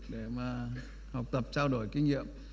để mà học tập trao đổi kinh nghiệm